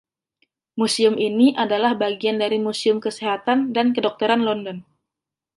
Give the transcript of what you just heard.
Museum ini adalah bagian dari Museum Kesehatan dan Kedokteran London.